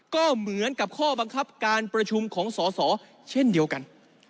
ก็เหมือนกับข้อบังคับการประชุมของสอสอเช่นเดียวกัน